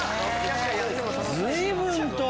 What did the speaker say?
随分と。